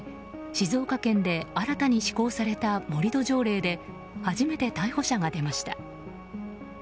静岡県で新たに施行された盛り土条例で初めて逮捕者が出ました。